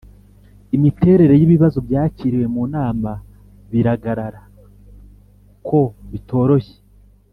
imiterere y ibibazo byakiriwe mu nama biragarara ko bitoroshye